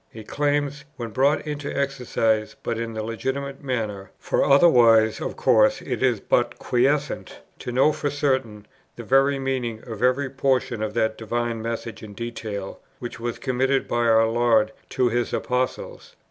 It claims, when brought into exercise but in the legitimate manner, for otherwise of course it is but quiescent, to know for certain the very meaning of every portion of that Divine Message in detail, which was committed by our Lord to His Apostles.